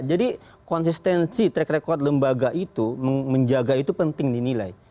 jadi konsistensi track record lembaga itu menjaga itu penting dinilai